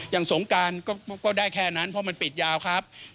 สงการก็ได้แค่นั้นเพราะมันปิดยาวครับ